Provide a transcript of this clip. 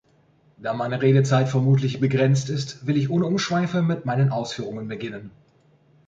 Da meine Redezeit vermutlich begrenzt ist, will ich ohne Umschweife mit meinen Ausführungen beginnen.